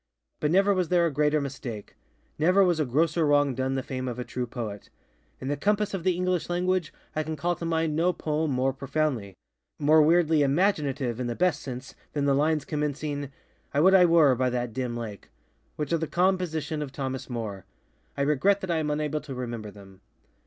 _But never was there a greater mistake. Never was a grosser wrong done the fame of a true poet. In the compass of the English language I can call to mind no poem more profoundlyŌĆömore weirdly _imaginative, _in the best sense, than the lines commencingŌĆöŌĆ£I would I were by that dim lakeŌĆØŌĆöwhich are the com. position of Thomas Moore. I regret that I am unable to remember them.